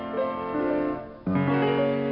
สวัสดีครับ